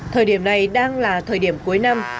thời điểm này đang là thời điểm cuối năm